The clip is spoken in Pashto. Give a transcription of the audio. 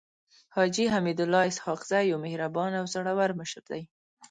حاجي حميدالله اسحق زی يو مهربانه او زړور مشر دی.